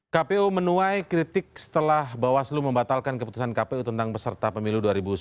kpu menuai kritik setelah bawaslu membatalkan keputusan kpu tentang peserta pemilu dua ribu sembilan belas